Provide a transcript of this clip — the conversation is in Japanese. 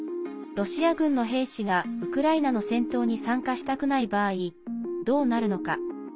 ロシア軍の兵士がウクライナの戦闘に参加したくない場合どうなるのか。